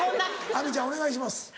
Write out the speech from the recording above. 亜美ちゃんお願いします。